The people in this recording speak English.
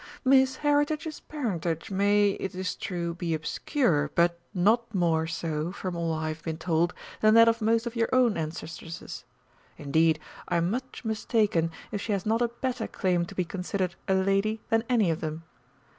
"Miss Heritage's parentage may, it is true, be obscure but not more so, from all I have been told, than that of most of your own ancestresses. Indeed, I am much mistaken if she has not a better claim to be considered a lady than any of them.